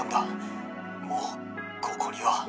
もうここには」。